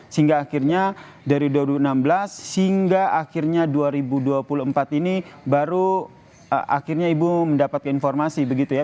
sehingga akhirnya dari dua ribu enam belas hingga akhirnya dua ribu dua puluh empat ini baru akhirnya ibu mendapatkan informasi begitu ya